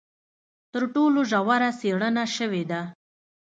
تر ټولو ژوره څېړنه شوې ده.